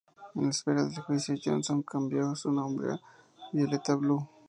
En la espera de juicio, Johnson cambió su nombre a "Violetta Blue".